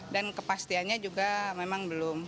dan kepastiannya juga memang belum